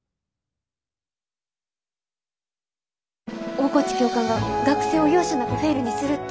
大河内教官が学生を容赦なくフェイルにするって。